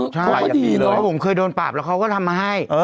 เขาไม่ได้ยินเลยเพราะผมเคยโดนปรับแล้วเขาก็ทำมาให้